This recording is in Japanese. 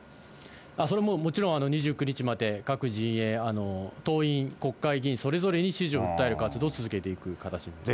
それもうもちろん、２９日まで各陣営、党員、国会議員、それぞれに支持を訴える活動を続けていく形になりますね。